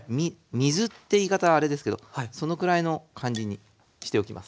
水って言い方はあれですけどそのくらいの感じにしておきます。